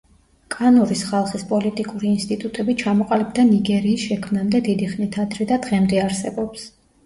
კანურის ხალხის პოლიტიკური ინსტიტუტები ჩამოყალიბდა ნიგერიის შექმნამდე დიდი ხნით ადრე და დღემდე არსებობს.